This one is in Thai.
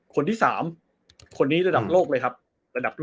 คนที่สามคนนี้ระดับโลกเลยครับ